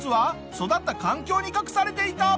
育った環境に隠されていた！